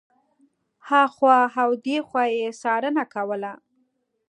هخوا او دېخوا یې څارنه کوله.